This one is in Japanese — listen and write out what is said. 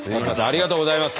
ありがとうございます。